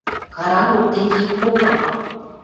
Карангок, тенге ит попы.